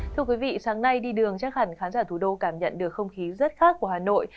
thưa quý vị sáng nay đi đường chắc hẳn khán giả thủ đô cảm nhận được không khí rất khác của hà nội